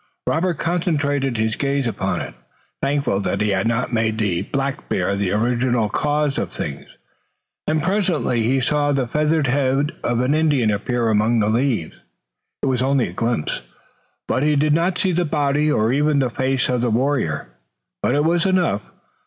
Robert concentrated his gaze upon it, thankful that he had not made the black bear the original cause of things, and presently he saw the feathered head of an Indian appear among the leaves. It was only a glimpse, he did not see the body or even the face of the warrior, but it was enough.